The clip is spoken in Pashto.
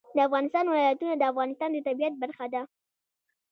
د افغانستان ولايتونه د افغانستان د طبیعت برخه ده.